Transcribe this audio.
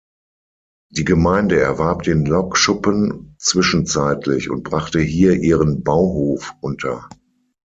Die Gemeinde erwarb den Lokschuppen zwischenzeitlich und brachte hier ihren Bauhof unter.